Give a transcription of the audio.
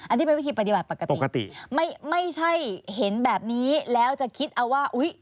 อันนี้เป็นวิธีปฏิบัติปกติไม่ใช่เห็นแบบนี้แล้วจะคิดเอาว่าอุ้ย